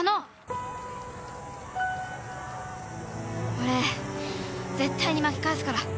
俺絶対に巻き返すから。